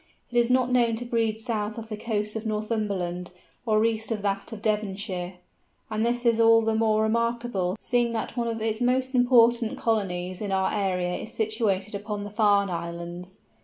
It is not known to breed south of the coast of Northumberland, or east of that of Devonshire; and this is all the more remarkable, seeing that one of its most important colonies in our area is situated upon the Farne Islands.